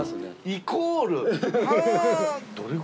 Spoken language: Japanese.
イコール！